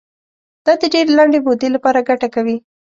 دا د ډېرې لنډې مودې لپاره ګټه کوي.